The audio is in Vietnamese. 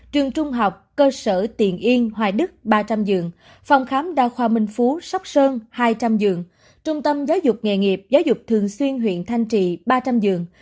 trường trung học cơ sở tiền yên hoài đức ba trăm linh giường phòng khám đa khoa minh phú sóc sơn hai trăm linh giường trung tâm giáo dục nghề nghiệp giáo dục thường xuyên huyện thanh trì ba trăm linh giường